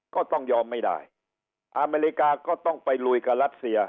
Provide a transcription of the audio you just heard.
ก็ต้องยอมไม่ได้อเมริกาก็ต้องไปลุยกับรัสเซีย